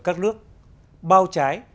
các nước bao trái